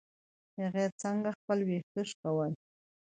هغې څنګه خپل ويښته شکول.